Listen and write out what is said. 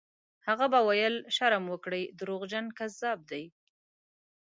هغه به ویل: «شرم وکړئ! دروغجن، کذاب دی».